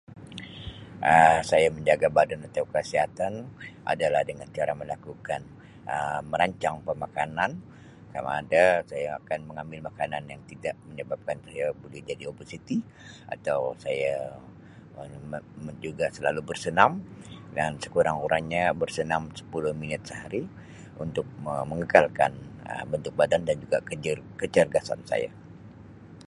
Um Saya menjaga badan atau kesihatan adalah dengan cara melakukan Um merancang pemakanan sama ada saya akan mengambil makanan yang tidak menyebakan ia buli jadi obesiti atau saya Um dan juga selalu bersenam dan sekurang-kurangnya bersenam sepuluh minit sehari untuk me-mengekalkan Um bentuk badan dan kece-kecergasan saya.